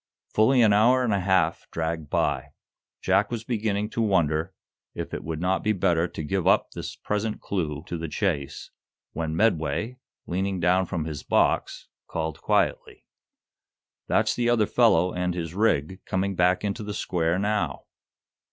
Fully an hour and a half dragged by. Jack was beginning to wonder if it would not be better to give up this present clue to the chase, when Medway, leaning down from his box, called quietly. "That's the other fellow and his rig, coming back into the square now."